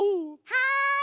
はい！